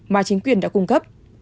mà chính quyền đã cung cấp